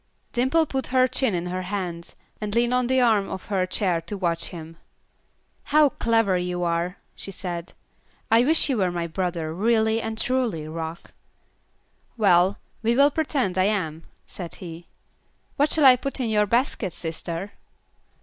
Dimple put her chin in her hands, and leaned on the arm of her chair to watch him. "How clever you are," she said, "I wish you were my brother, really and truly, Rock." "Well, we will pretend I am," said he. "What shall I put in your basket, sister?"